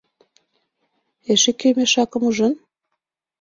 Эше кӧ мешакым ужын?